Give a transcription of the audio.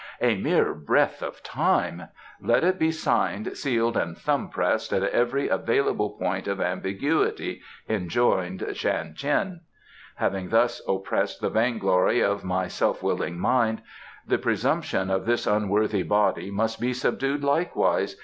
"A mere breath of time " "Let it be signed, sealed and thumb pressed at every available point of ambiguity," enjoined Shan Tien. "Having thus oppressed the vainglory of my self willed mind, the presumption of this unworthy body must be subdued likewise.